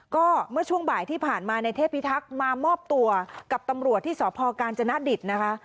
ก็เมื่อช่วงบ่ายที่ผ่านมาในเทพิทักษ์มามอบตัวกับตำรวจที่สพกาญจนดิตนะคะ